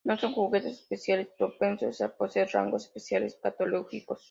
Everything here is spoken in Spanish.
No son sujetos especialmente propensos a poseer rasgos especialmente patológicos.